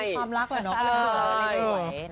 มีความรักเหรอน้อง